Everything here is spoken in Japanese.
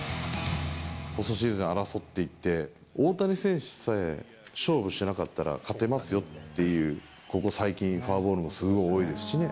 ポストシーズン争っていって、大谷選手さえ、勝負しなかったら、勝てますよという、ここ最近、フォアボールもすごい多いですしね。